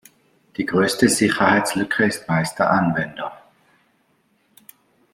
Die größte Sicherheitslücke ist meist der Anwender.